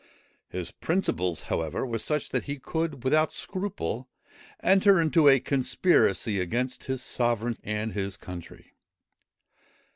His principles however, were such, that he could without scruple enter into a conspiracy against his sovereign and his country.